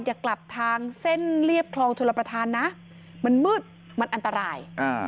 อย่ากลับทางเส้นเรียบคลองชลประธานนะมันมืดมันอันตราย